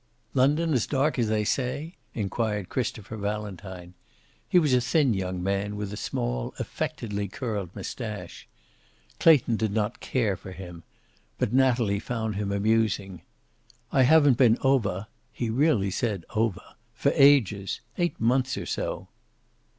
"London as dark as they say?" inquired Christopher Valentine. He was a thin young man, with a small, affectedly curled mustache. Clayton did not care for him, but Natalie found him amusing. "I haven't been over " he really said 'ovah' "for ages. Eight months or so."